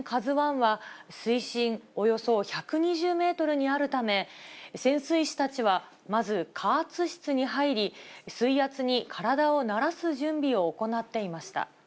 ＫＡＺＵＩは、水深およそ１２０メートルにあるため、潜水士たちは、まず、加圧室に入り、水圧に体を慣らす準備を行っていました。